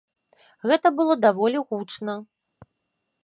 Гэта было даволі гучна.